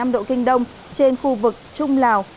một trăm linh bốn năm độ kinh đông trên khu vực trung lào